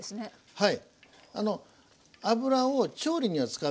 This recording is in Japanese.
はい。